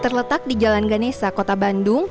terletak di jalan ganesa kota bandung